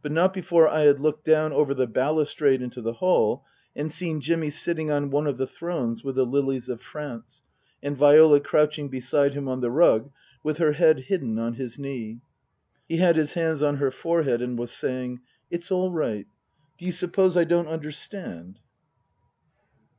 But not before I had looked down over the balustrade into the hall and seen Jimmy sitting on one of the thrones with the lilies of France, and Viola crouching beside him on the rug with her head hidden on his knee. He had his hands on her forehead and was saying, " It's all right. Do you suppose I don't understand